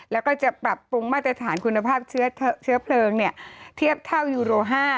แล้วก็จะปรับปรุงมาตรฐานคุณภาพเชื้อเพลิงเทียบเท่ายูโร๕